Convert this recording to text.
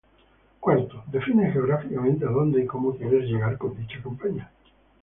Cuarto, define geográficamente a dónde y cómo quieres llegar con dicha campaña.